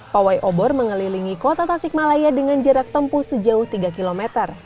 pawai obor mengelilingi kota tasikmalaya dengan jarak tempuh sejauh tiga km